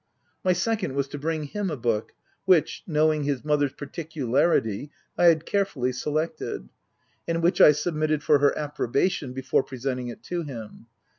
My second was to bring him a book, which, knowing his mother's par ticularity, I had carefully selected, and which I submitted for her approbation before presenting it to him.